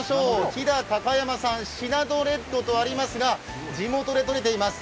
飛騨高山産シナノレッドとありますが、地元で取れています。